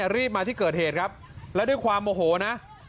รีบมาที่เกิดเหตุครับแล้วด้วยความโมโหนะ